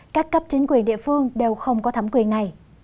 các cấp chính quyền địa phương đều không có thẩm quyền này